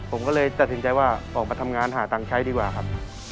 ผมก็เลยตัดสินใจว่าออกมาทำงานหาตังค์ใช้ดีกว่าครับ